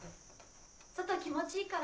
外気持ちいいから。